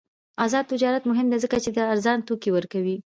آزاد تجارت مهم دی ځکه چې ارزان توکي ورکوي.